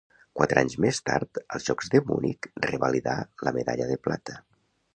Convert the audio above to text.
Quatre anys més tard, als Jocs de Munic revalidà la medalla de plata.